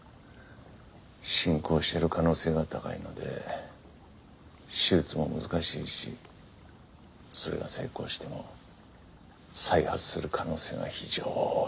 進行している可能性が高いので手術も難しいしそれが成功しても再発する可能性が非常に高い。